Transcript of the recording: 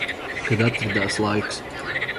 Kad atradās laiks.